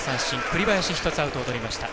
栗林、１つアウトをとりました。